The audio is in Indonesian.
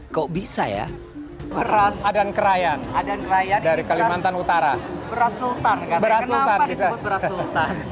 kok bisa ya beras dan kraian dan raya dari kalimantan utara beras sultan beras sultan